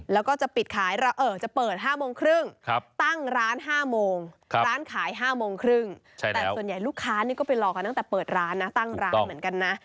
แล้วก็จะปิดขายจะเปิด๕โมงครึ่งตั้งร้าน๕โมงร้านขาย๕โมงครึ่งแต่ส่วนใหญ่ลูกค้านี่ก็ไปรอกันตั้งแต่เปิดร้านนะตั้งร้านเหมือนกันนะ